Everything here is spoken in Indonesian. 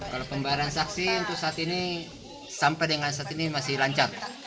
kalau pembayaran saksi untuk saat ini sampai dengan saat ini masih lancar